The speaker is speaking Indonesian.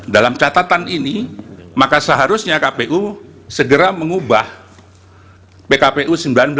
dalam catatan ini maka seharusnya kpu segera mengubah pkpu sembilan belas dua ribu dua puluh tiga